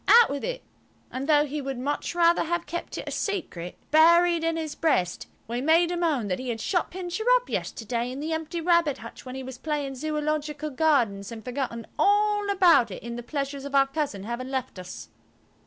Out with it." And though he would much rather have kept it a secret, buried in his breast, we made him own that he had shut Pincher up yesterday in the empty rabbit hutch when he was playing Zoological Gardens and forgotten all about it in the pleasures of our cousin having left us.